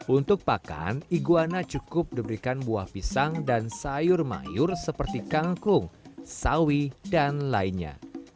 untuk pakan iguana cukup diberikan buah pisang dan sayur mayur seperti kangkung sawi dan lainnya